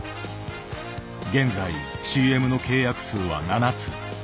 現在ＣＭの契約数は７つ。